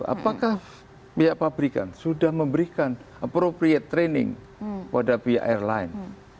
apakah pihak pabrikan sudah memberikan training yang sesuai pada pihak airline